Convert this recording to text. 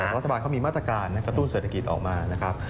รัฐบาลเขามีมาตรการกระตุ้นเศรษฐกิจออกมานะครับ